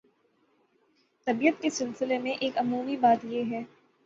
طبیعیات کے سلسلے میں ایک عمومی بات یہ ہے